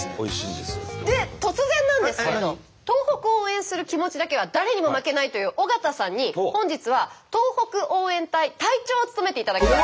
で突然なんですけれど東北を応援する気持ちだけは誰にも負けないという尾形さんに本日は東北応援隊隊長を務めていただきます。